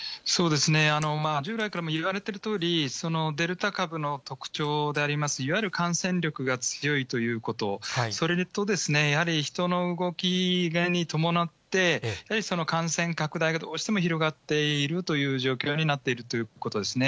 従来からもいわれているとおり、デルタ株の特徴であります、いわゆる感染力が強いということ、それとですね、やはり人の動きに伴って、やはり感染拡大がどうしても広がっているという状況になっているということですね。